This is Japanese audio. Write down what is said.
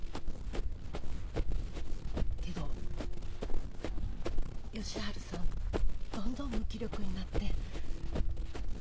けど佳晴さんどんどん無気力になって。